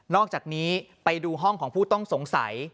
อกจากนี้ไปดูห้องของผู้ต้องสงสัย